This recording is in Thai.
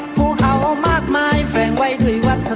ผู้เขามากมายแฟนไว้ด้วยวัฒนธรรม